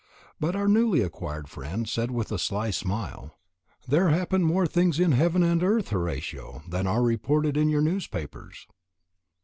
But our newly acquired friend said with a sly smile: "There happen more things in heaven and earth, Horatio, than are reported in your newspapers."